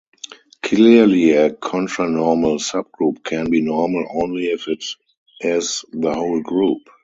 Clearly, a contranormal subgroup can be normal only if it is the whole group.